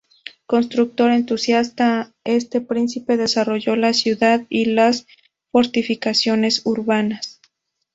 Constructor entusiasta, este príncipe desarrolló la ciudad y las fortificaciones urbanas.